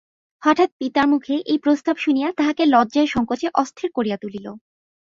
হঠাৎ পিতার মুখে এই প্রস্তাব শুনিয়া তাহাকে লজ্জায়-সংকোচে অস্থির করিয়া তুলিল।